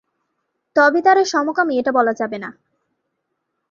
তবে তারা সমকামী এমনটা বলা যাবে না।